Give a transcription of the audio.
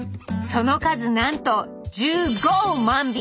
その数なんと１５万匹！